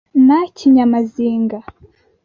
Na Kinyamazinga,